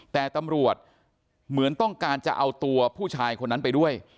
แต่ตำรวจเหมือนต้องการจะเอาตัวผู้ชายคนนั้นไปด้วย